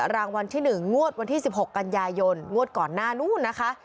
รางวัลที่๑งวดวันที่๑๖กันยายนงวดก่อนหน้านู้นนะคะ